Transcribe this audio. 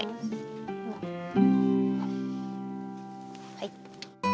はい。